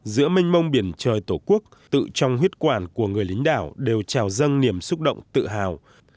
giữa minh mông biển trời tổ quốc tự trong huyết quản của người lính đảo đều trào dâng niềm xúc động tự hào